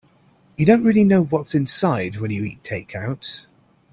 You don't really know what's inside when you eat takeouts.